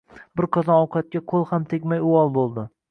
Bir qozon ovqatga qo`l ham tegmay uvol bo`ldi